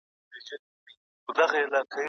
ښه ذهنیت ناامیدي نه زیاتوي.